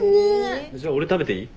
じゃあ俺食べていい？